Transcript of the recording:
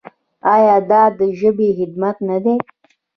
آیا دا د ژبې خدمت نه دی؟